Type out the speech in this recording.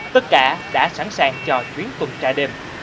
tất cả đã sẵn sàng cho chuyến tuần tra đêm